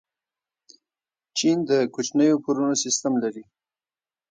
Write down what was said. چین د کوچنیو پورونو سیسټم لري.